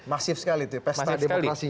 masif sekali itu pesta demokrasi